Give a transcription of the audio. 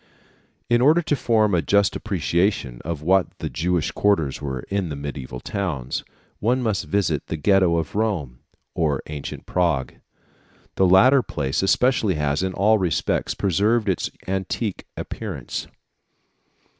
In order to form a just appreciation of what the Jewish quarters were like in the mediæval towns, one must visit the Ghetto of Rome or ancient Prague. The latter place especially has, in all respects, preserved its antique appearance.